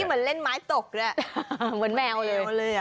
เมื่อกี้เหมือนเล่นไม้ตกเนี่ยเหมือนแมวเลย